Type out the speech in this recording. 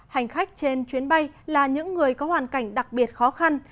hành khách trên chuyến bay là những người có hoàn cảnh đặc biệt khó khăn